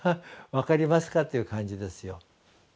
分かりますか？」という感じですよ。